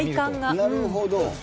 なるほど。